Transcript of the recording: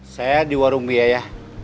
saya di warung bia ya